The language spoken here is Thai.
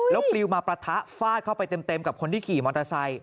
แล้วปลิวมาปะทะฟาดเข้าไปเต็มกับคนที่ขี่มอเตอร์ไซค